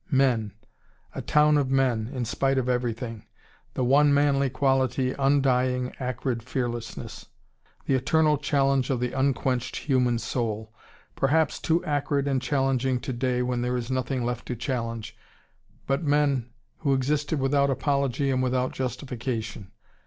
Men! A town of men, in spite of everything. The one manly quality, undying, acrid fearlessness. The eternal challenge of the un quenched human soul. Perhaps too acrid and challenging today, when there is nothing left to challenge. But men who existed without apology and without justification.